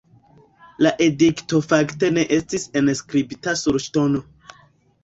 La edikto fakte ne estis enskribita sur ŝtono.